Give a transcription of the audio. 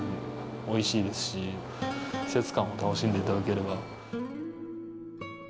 おいしいですし季節感を楽しんで頂ければ。